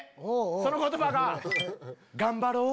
その言葉が。